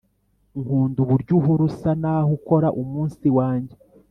nkunda uburyo uhora usa naho ukora umunsi wanjye